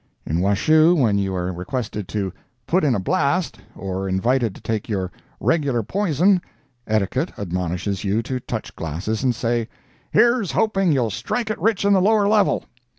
In Washoe, when you are requested to "put in a blast," or invited to take your "regular poison," etiquette admonishes you to touch glasses and say, "Here's hoping you'll strike it rich in the lower level."